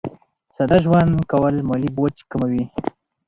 ساده ژوند کول مالي بوج کموي.